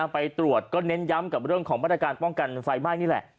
ไปตรวจก็เน้นย้ำกับเรื่องของมาตรการป้องกันไฟไหม้นี่แหละ